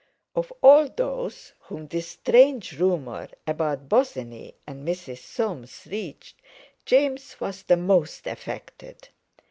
Of all those whom this strange rumour about Bosinney and Mrs. Soames reached, James was the most affected.